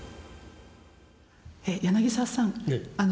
柳沢さん